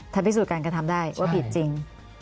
ถ้าพิสูจน์การกระทำได้ว่าผิดจริง